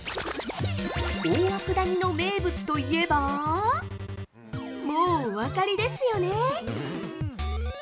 大涌谷の名物といえばもうお分かりですよね？